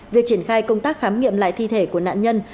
việc triển khai công tác khám nghiệm lại thi thể của nạn nhân